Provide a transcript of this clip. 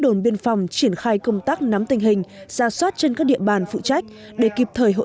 đồn biên phòng triển khai công tác nắm tình hình ra soát trên các địa bàn phụ trách để kịp thời hỗ